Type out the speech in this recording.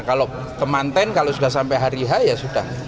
kalau kemanten kalau sudah sampai hari h ya sudah